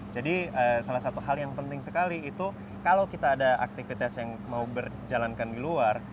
jadi salah satu hal yang penting sekali itu kalau kita ada aktivitas yang mau berjalankan di luar